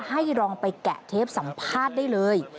ให้ลองไปแกะเทปสัมภาษณ์ได้เลย